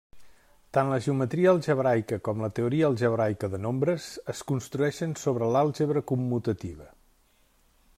Tant la geometria algebraica com la teoria algebraica de nombres es construeixen sobre l'àlgebra commutativa.